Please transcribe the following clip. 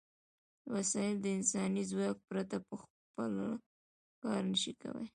وسایل د انساني ځواک پرته په خپله کار نشي کولای.